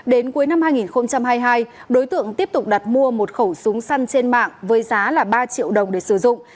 đến cuối năm hai nghìn hai mươi hai đối tượng tiếp tục đặt mua một khẩu súng săn trên mạng với giá ba triệu đồng để sử dụng